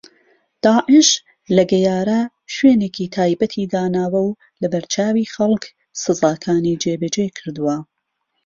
داعش لە گەیارە شوێنێکی تایبەتی داناوە و لەبەرچاوی خەڵک سزاکانی جێبەجێ کردووە